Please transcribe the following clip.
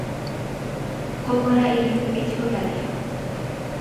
Joko ona egin du etxeko taldeak.